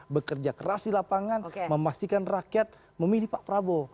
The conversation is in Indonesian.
bekerja keras di lapangan memastikan rakyat memilih pak prabowo